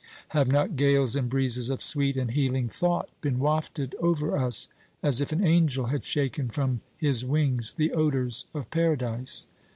Have not gales and breezes of sweet and healing thought been wafted over us, as if an angel had shaken from his wings the odors of paradise?